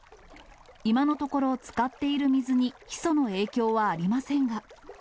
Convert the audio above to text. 今のところ、使っている水にヒ素の影響はありませんが。